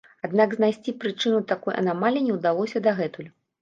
Аднак знайсці прычыну такой анамаліі не ўдалося дагэтуль.